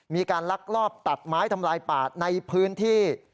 ลักลอบตัดไม้ทำลายป่าในพื้นที่